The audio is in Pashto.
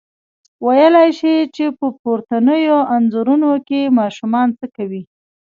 ویلای شئ چې په پورتنیو انځورونو کې ماشومان څه کوي؟